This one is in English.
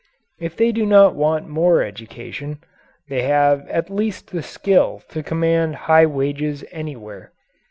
If they do not want more education, they have at least the skill to command high wages anywhere.